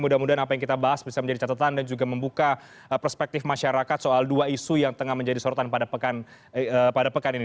mudah mudahan apa yang kita bahas bisa menjadi catatan dan juga membuka perspektif masyarakat soal dua isu yang tengah menjadi sorotan pada pekan ini